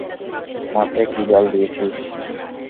মাথায় কী বাল দিয়েছিস?